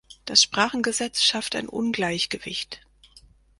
Das Sprachengesetz schafft ein Ungleichgewicht.